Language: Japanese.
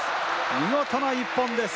見事な一本です！